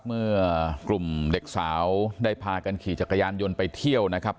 เมื่อกลุ่มเด็กสาวได้พากันขี่จักรยานยนต์ไปเที่ยวนะครับ